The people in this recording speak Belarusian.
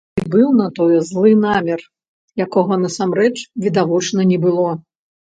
І быў на тое злы намер, якога насамрэч, відавочна, не было.